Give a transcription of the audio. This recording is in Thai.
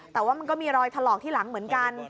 แต่ว่ามันก็มีรอยถลอกที่หลังเหมือนกัน